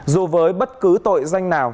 dù với bất cứ tội danh nào